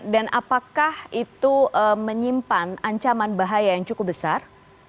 dan apakah itu menyimpan ancaman bahaya yang cukup besar